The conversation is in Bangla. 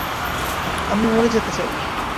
আমি মরে যেতে চাই।